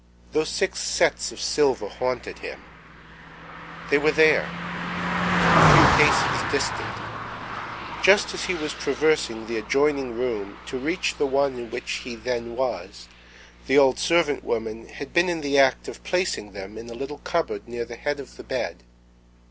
Those six sets of silver haunted him.—They were there.—A few paces distant.—Just as he was traversing the adjoining room to reach the one in which he then was, the old servant woman had been in the act of placing them in a little cupboard near the head of the bed.